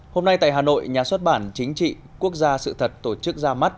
hôm nay tại hà nội nhà xuất bản chính trị quốc gia sự thật tổ chức ra mắt